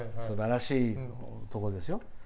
すばらしいところですよ。